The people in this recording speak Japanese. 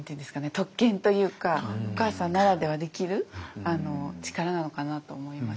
特権というかお母さんならではできる力なのかなと思いました。